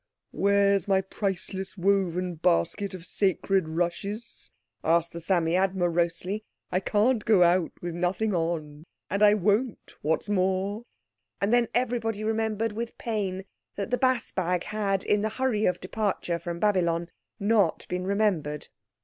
"Where's my priceless woven basket of sacred rushes?" asked the Psammead morosely. "I can't go out with nothing on. And I won't, what's more." And then everybody remembered with pain that the bass bag had, in the hurry of departure from Babylon, not been remembered.